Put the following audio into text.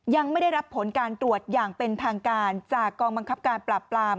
ยังไม่ได้รับผลการตรวจอย่างเป็นทางการจากกองบังคับการปราบปราม